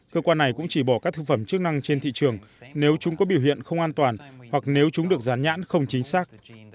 cơ quan này cũng chỉ bỏ các thực phẩm chức năng trên thị trường nếu chúng có biểu hiện không an toàn hoặc nếu chúng được rán nhãn không chính xác